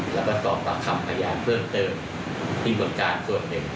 แล้วก็สอบปากคำพยานเพิ่มเติมที่บนการส่วนหนึ่ง